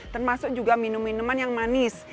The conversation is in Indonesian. termasuk juga minum minuman yang manis